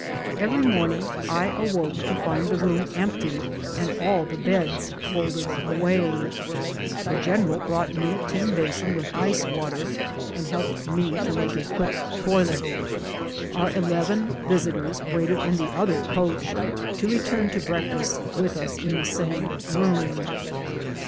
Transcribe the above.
Every morning I awoke to find the room empty and all the beds folded away. Tho general brought me a tin basin 256 BOOTS AND SADDLES. with ice water, and helped me to make a quick toilet ; our eleven visitors waited in the other coach, to return to breakfast with us in the same room.